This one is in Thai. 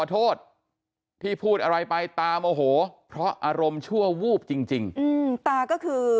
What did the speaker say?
โทษที่พูดอะไรไปตาโมโหเพราะอารมณ์ชั่ววูบจริงจริงอืมตาก็คือ